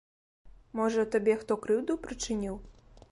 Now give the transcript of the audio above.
Можа, табе хто крыўду прычыніў?